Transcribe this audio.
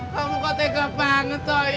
kamu kok tega banget cuy